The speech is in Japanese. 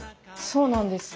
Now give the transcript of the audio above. そうなんです。